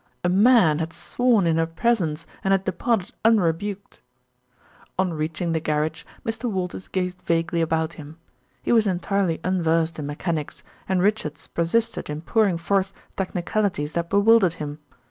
A man had sworn in her presence and had departed unrebuked. On reaching the garage Mr. Walters gazed vaguely about him. He was entirely unversed in mechanics, and Richards persisted in pouring forth technicalities that bewildered him.